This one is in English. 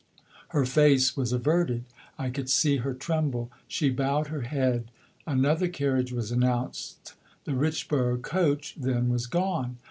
Her face was averted; I could see her tremble; she bowed her head. Another carriage was announced the Richborough coach then was gone.